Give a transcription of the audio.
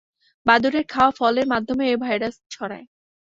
বাদুড়ের খাওয়া ফলের মাধ্যমেও এ ভাইরাস ছড়ায়।